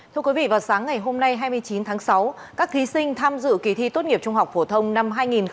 thưa quý vị vào sáng ngày hôm nay hai mươi chín tháng sáu các thí sinh tham dự kỳ thi tốt nghiệp trung học phổ thông năm hai nghìn hai mươi